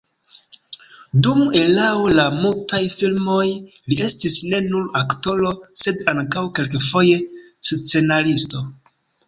Dum erao de mutaj filmoj li estis ne nur aktoro, sed ankaŭ kelkfoje scenaristo.